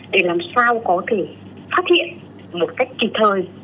để làm sao có thể phát hiện một cách kịp thời